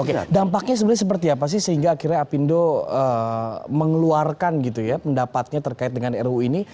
oke dampaknya sebenarnya seperti apa sih sehingga akhirnya apindo mengeluarkan gitu ya pendapatnya terkait dengan ru ini